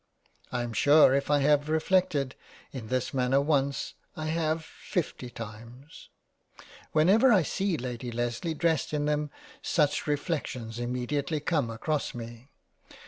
I am sure if I have reflected in this manner once, I have fifty times. Whenever I see Lady Lesley dressed in them such reflections immediately come across me.